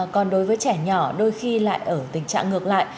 còn đối với trẻ nhỏ đôi khi lại ở tình trạng ngược lại